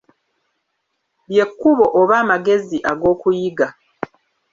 Lye kkubo oba amagezi ag'okuyiga.